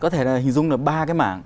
có thể là hình dung là ba cái mảng